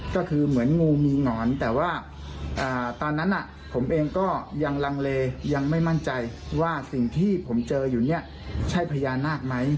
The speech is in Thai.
ก็คือเหมือนงูมีหงอนแต่ว่าตอนนั้นผมเองก็ยังลังเลยังไม่มั่นใจว่าสิ่งที่ผมเจออยู่เนี่ยใช่พญานาคไหม